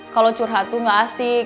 kalau curhat tuh gak asik